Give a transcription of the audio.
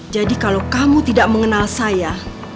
jadi kalau kamu tidak mengenal saya